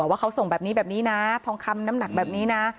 ว่าเขาส่งแบบนี้แบบนี้นะทองคำน้ำหนักแบบนี้นะ